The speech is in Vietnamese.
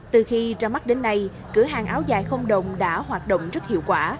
từ khi ra mắt đến nay cửa hàng áo dài không đồng đã hoạt động rất hiệu quả